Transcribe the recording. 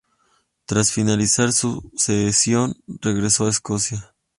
Tras finalizar su cesión, regresó a Escocia.